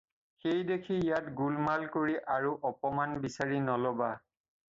সেই দেখি ইয়াত গোলমাল কৰি আৰু অপমান বিচাৰি নলবা।